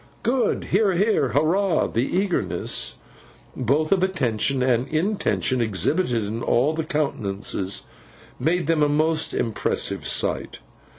Good! Hear, hear! Hurrah! The eagerness both of attention and intention, exhibited in all the countenances, made them a most impressive sight.